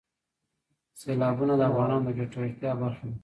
سیلابونه د افغانانو د ګټورتیا برخه ده.